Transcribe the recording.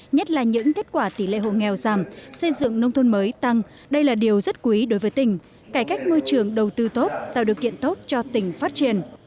nhất là những kết quả tỷ lệ hộ nghèo giảm xây dựng nông thôn mới tăng đây là điều rất quý đối với tỉnh cải cách môi trường đầu tư tốt tạo điều kiện tốt cho tỉnh phát triển